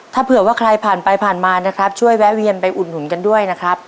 ถ้าเผื่อว่าใครผ่านไปผ่านมานะครับช่วยแวะเวียนไปอุดหนุนกันด้วยนะครับ